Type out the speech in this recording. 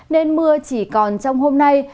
nên mưa chỉ còn trong hôm nay